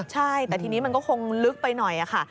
ใช่แต่ทีนี้มันก็คงลึกไปหน่อยค่ะ